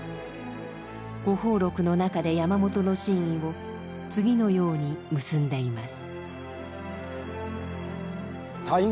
「五峯録」の中で山本の真意を次のように結んでいます。